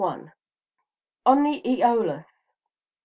ON THE "EOLUS."